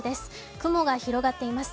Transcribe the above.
雲が広がっています。